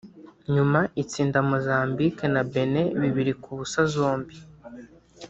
nyuma itsinda Mozambique na Benin bibiri ku busa zombi